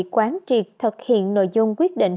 quán triệt thực hiện nội dung quyết định